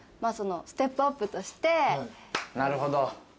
なるほど。